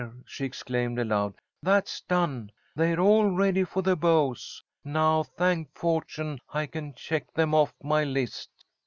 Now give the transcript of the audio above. she exclaimed aloud. "That's done. They're all ready for the bows. Now, thank fortune, I can check them off my list."